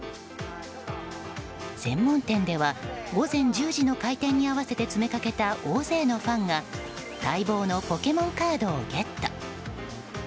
専門店では、午前１０時の開店に合わせて詰めかけた大勢のファンが待望のポケモンカードをゲット。